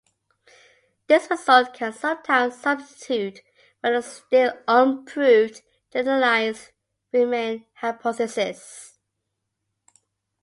This result can sometimes substitute for the still-unproved generalized Riemann hypothesis.